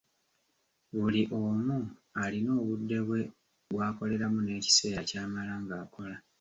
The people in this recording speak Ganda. Buli omu alina obudde bwe bw'akoleramu n'ekiseera ky'amala ng'akola.